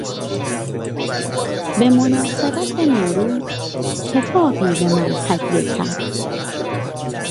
به مناسبت نوروز کتابی به من هدیه کرد.